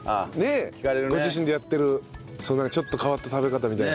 ご自身でやってるちょっと変わった食べ方みたいな。